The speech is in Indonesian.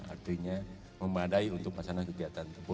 artinya memadai untuk pasangan kegiatan tempur